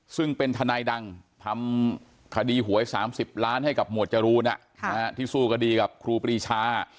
ซึ่งเป็นทนายดังทำคดีหวย๓๐ล้านให้กับหมวดจรูนที่สู้คดีกับครูปรีชา